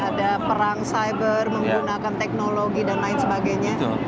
ada perang cyber menggunakan teknologi dan lain sebagainya